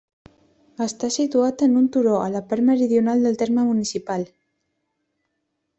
Està situat en un turó, a la part meridional del terme municipal.